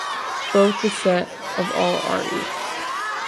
Both the set of all r.e.